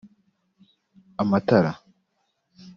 amatara